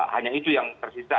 hanya itu yang tersisa